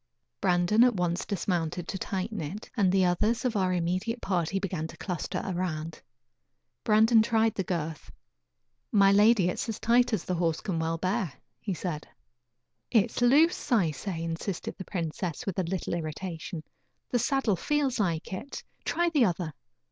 Brandon at once dismounted to tighten it, and the others of our immediate party began to cluster around. Brandon tried the girth. "My lady, it is as tight as the horse can well bear," he said. "It is loose, I say," insisted the princess, with a little irritation; "the saddle feels like it. Try the other."